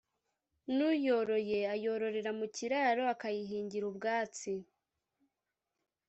n'uyoroye ayororera mu kiraro, akayihingira ubwatsi,